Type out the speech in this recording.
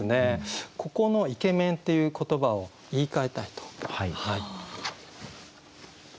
ここの「イケメン」っていう言葉を言いかえたいと。